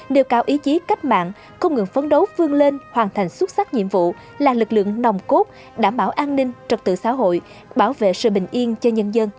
nêu cao ý chí cách mạng không ngừng phấn đấu phương lên hoàn thành xuất sắc nhiệm vụ là lực lượng nồng cốt đảm bảo an ninh trật tự xã hội bảo vệ sự bình yên cho nhân dân